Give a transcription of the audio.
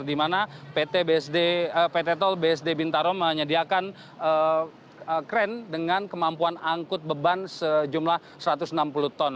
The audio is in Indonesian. di mana pt tol bsd bintaro menyediakan kren dengan kemampuan angkut beban sejumlah satu ratus enam puluh ton